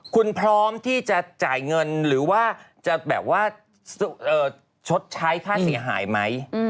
คุณพร้อมที่จะจ่ายเงินหรือว่าจะแบบว่าชดใช้ค่าเสียหายไหม